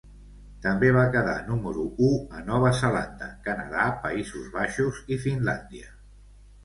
També va quedar número u a Nova Zelanda, Canadà, Països Baixos i Finlàndia.